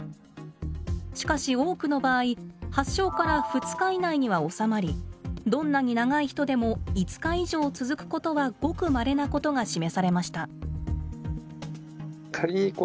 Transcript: しかし多くの場合発症から２日以内には治まりどんなに長い人でも５日以上続くことはごくまれなことが示されました。